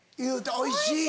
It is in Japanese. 「おいしい！」。